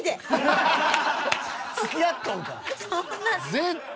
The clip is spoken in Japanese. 絶対。